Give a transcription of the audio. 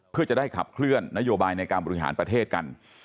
เพื่อจะได้ขับเคลื่อนนโยบายในการบริหารประเทศกัน